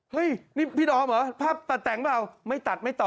เฮ้ยนี่พี่ดอมเหรอภาพตัดแต่งเปล่าไม่ตัดไม่ต่อ